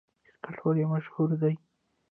کرکټ ولې مشهور دی؟